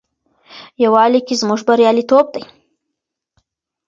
یووالي کې زموږ بریالیتوب دی.